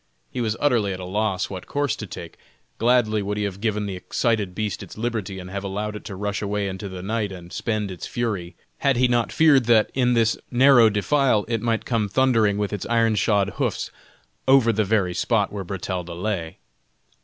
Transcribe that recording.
He was utterly at a loss what course to take. Gladly would he have given the excited beast its liberty and have allowed it to rush away into the night and spend its fury, had he not feared that is this narrow defile it might come thundering with its iron shod hoofs over the very spot where Bertalda lay.